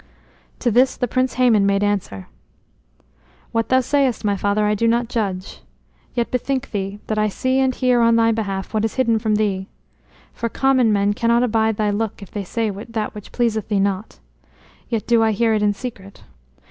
To this the Prince Hæmon made answer: "What thou sayest, my father, I do not judge. Yet bethink thee, that I see and hear on thy behalf what is hidden from thee. For common men cannot abide thy look if they say that which pleaseth thee not. Yet do I hear it in secret.